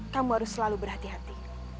kamu harus selalu berhati hati